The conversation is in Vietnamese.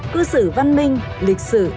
cư xử văn minh lịch sử